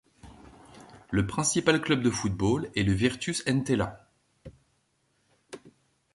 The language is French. Le principal club de football est le Virtus Entella.